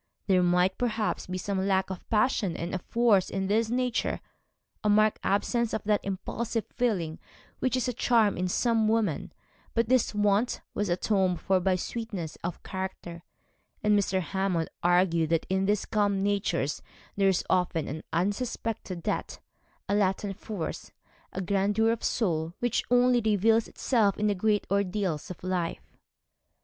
There might, perhaps, be some lack of passion and of force in this nature, a marked absence of that impulsive feeling which is a charm in some women: but this want was atoned for by sweetness of character, and Mr. Hammond argued that in these calm natures there is often an unsuspected depth, a latent force, a grandeur of soul, which only reveals itself in the great ordeals of life.